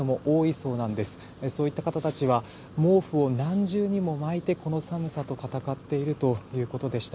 そういった方たちは毛布を何重にも巻いてこの寒さと闘っているということでした。